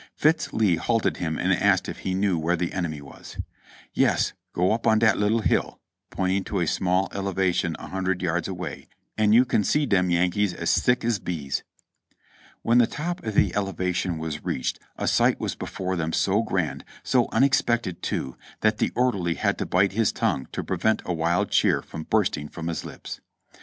Fitz Lee halted him and asked if he knew where the enemy was. "Yes, go up on dat little hill," pointing to a small elevation a hundred yards away, "and you can see dem Yankees as thick as bees." When the top of the elevation was reached a sight was before them so grand, so unexpected too, that the orderly had to bite his tongue to prevent a wild cheer from bursting from his lips.